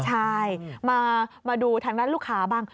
ใช่มาดูทางด้านลูกค้าบ้าง